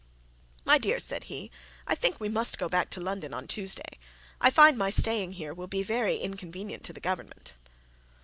'My dear,' said he, 'I think we must go back to London on Tuesday. I find that my staying here will be very inconvenient to the Government.'